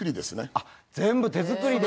あっ全部手作りで。